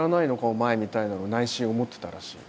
お前みたいなのは内心思ってたらしい。